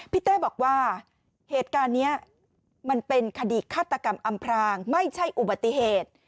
เต้บอกว่าเหตุการณ์นี้มันเป็นคดีฆาตกรรมอำพรางไม่ใช่อุบัติเหตุ